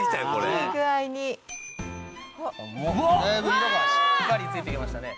だいぶ色がしっかりついてきましたね。